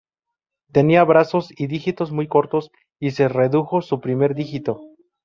Tenía brazos y dígitos muy cortos, y se redujo su primer dígito.